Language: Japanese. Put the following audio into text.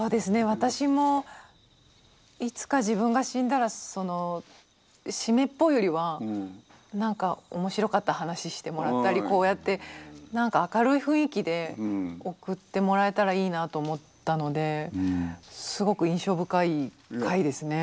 私もいつか自分が死んだらその湿っぽいよりは何か面白かった話してもらったりこうやって何か明るい雰囲気で送ってもらえたらいいなと思ったのですごく印象深い回ですね。